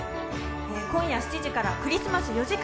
今夜７時からクリスマス４時間